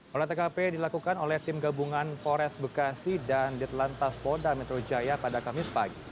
oleh tkp dilakukan oleh tim gabungan pores bekasi dan ditelantas polda metro jaya pada kamis pagi